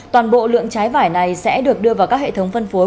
toàn bộ lượng trái vải này sẽ được đưa vào các hệ thống phân phối